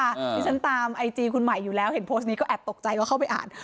ที่ฉันตามไอจีคุณใหม่อยู่แล้วเห็นโพสต์นี้ก็แอบตกใจก็เข้าไปอ่าน